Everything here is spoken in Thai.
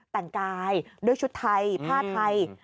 แต่งกายด้วยชุดไทยผ้าไทย